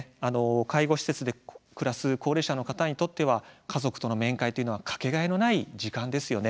介護施設で暮らす高齢者にとっては家族との面会というのは掛けがえのない時間です。